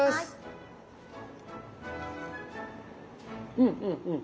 うんうんうん。